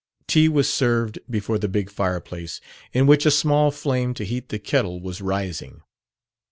Tea was served before the big fireplace in which a small flame to heat the kettle was rising.